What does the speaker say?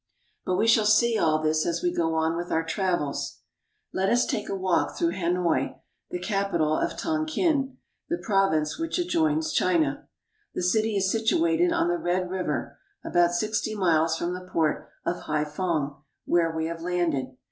But we shall see all this as we go on with our travels. INDO CHINA 183 Let us take a walk through Hanoi, the capital of Tonkin, the province which adjoins China. The city is situated on the Red River, about sixty miles from the port of Haiphong, where we have landed.